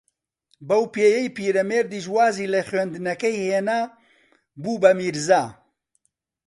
بەو پێیەی پیرەمێردیش وازی لە خوێندنەکەی ھێنا، بوو بە میرزا